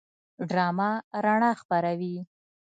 ډرامه رڼا خپروي